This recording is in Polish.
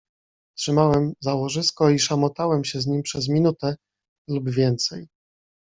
"Trzymałem za łożysko i szamotałem się z nim przez minutę lub więcej."